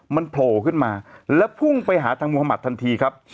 มันโผล่ขึ้นมาแล้วพุ่งไปหาทางมุธมัติทันทีครับ